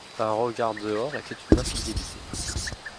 Un regard dehors était une infidélité.